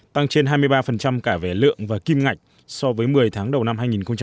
tăng trên hai mươi ba cả về lượng và kim ngạch so với một mươi tháng đầu năm hai nghìn một mươi chín